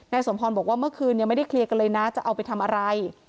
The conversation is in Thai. สมพรบอกว่าเมื่อคืนยังไม่ได้เคลียร์กันเลยนะจะเอาไปทำอะไร